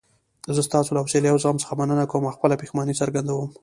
زه ستاسو له حوصلې او زغم څخه مننه کوم او خپله پښیماني څرګندوم.